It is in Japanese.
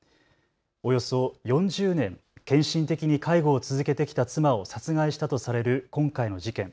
およそ４０年、献身的に介護を続けてきた妻を殺害したとされる今回の事件。